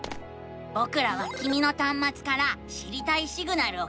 ぼくらはきみのたんまつから知りたいシグナルをキャッチしたのさ！